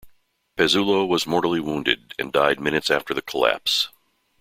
Pezzulo was mortally wounded and died minutes after the collapse.